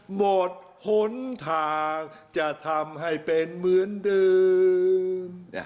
หมดหนทางจะทำให้เป็นเหมือนเดิม